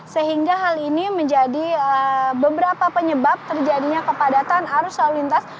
sehingga hal ini menjadi beberapa penyebab terjadinya kepadatan arus lalu lintas